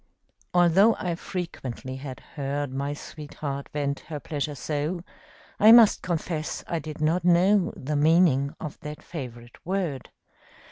Although I frequently had heard My sweetheart vent her pleasure so, I must confess I did not know The meaning of that favorite word.